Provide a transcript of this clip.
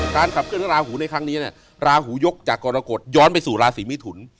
ขับเคลื่อนราหูในครั้งนี้เนี่ยราหูยกจากกรกฎย้อนไปสู่ราศีมิถุน